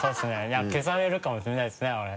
じゃあ消されるかもしれないですね俺。